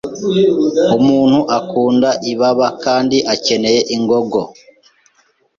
Umuntu akunda ibaba kandi akeneye ingogo